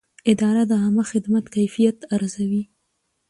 اداره د عامه خدمت کیفیت ارزوي.